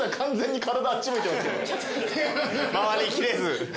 回りきれず。